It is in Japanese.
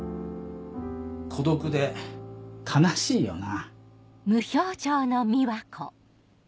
孤独で悲しいよな。